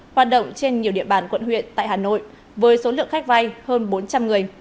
hoạt động trên nhiều địa bàn quận huyện tại hà nội với số lượng khách vay hơn bốn trăm linh người